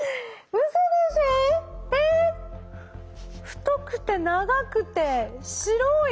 太くて長くて白い。